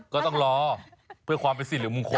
ก็ต้องรอเพื่อความเป็นสิริมงคล